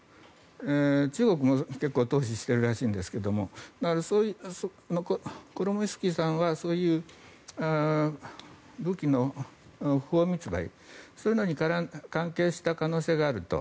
中国も結構投資しているらしいんですけどだから、コロモイスキーさんはそういう武器の不法密売そういうのに関係した可能性があると。